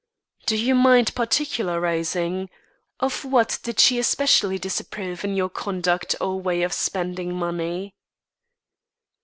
"Do you mind particularising? Of what did she especially disapprove in your conduct or way of spending money?"